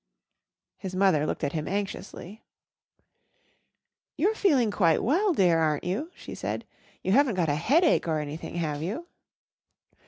His mother looked at him anxiously. "You're feeling quite well, dear, aren't you?" she said. "You haven't got a headache or anything, have you?"